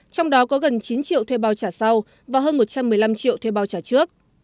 trong đó có gần chín triệu thuê bao trả sau và hơn một trăm một mươi năm triệu thuê bao trả trước